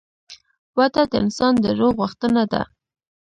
وده د انسان د روح غوښتنه ده.